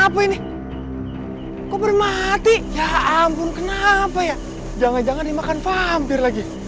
paket takut sama namanya pampir